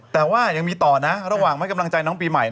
แต่ว่ายังมีต่อนะระหว่างให้กำลังใจน้องปีใหม่